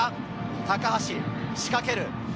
高橋、仕掛ける。